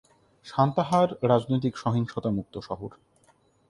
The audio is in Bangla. সান্তাহার রাজনৈতিক সহিংসতা মুক্ত শহর।